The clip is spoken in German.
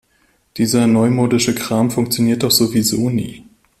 Dieser neumodische Kram funktioniert doch sowieso nie.